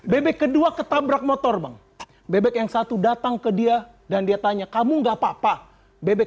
bebek kedua ketabrak motor bang bebek yang satu datang ke dia dan dia tanya kamu enggak apa apa bebek